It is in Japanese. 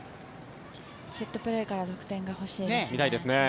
セットプレーから得点が欲しいですね。